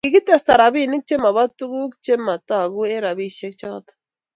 Kikitesta rapinik che pa tukul che mataku en rapishek choton